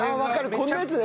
こんなやつね。